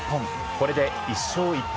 これで１勝１敗。